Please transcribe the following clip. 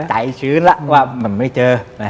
ใจชื้นแล้วว่าไม่เจอ